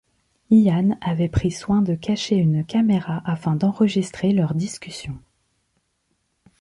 Ian avait pris soin de cacher une caméra afin d'enregistrer leur discussion.